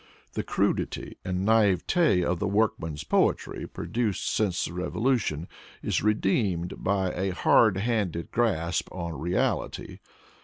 The crudity and naivete of the workmen's poetry produced since the revo lution is redeemed by a hard handed grasp on reality.